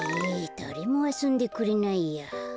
だれもあそんでくれないや。